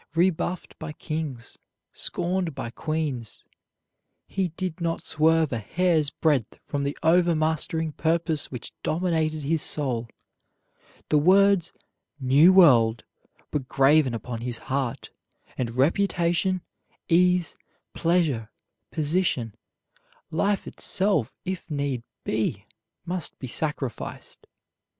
Rebuffed by kings, scorned by queens, he did not swerve a hair's breadth from the overmastering purpose which dominated his soul. The words "New World" were graven upon his heart; and reputation, ease, pleasure, position, life itself if need be, must be sacrificed.